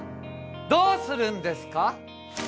どうするんですか？